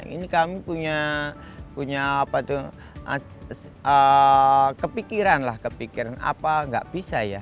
ini kami punya kepikiran lah kepikiran apa nggak bisa ya